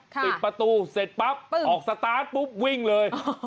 ปิดประตูเสร็จปั๊บออกสตาร์ทปุ๊บวิ่งเลย